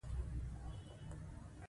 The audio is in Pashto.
دوی پیسې مصرفوي او سودا کوي.